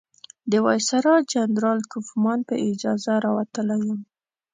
د وایسرا جنرال کوفمان په اجازه راوتلی یم.